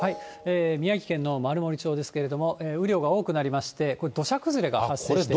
宮城県の丸森町ですけれども、雨量が多くなりまして、これ、土砂崩れが発生して。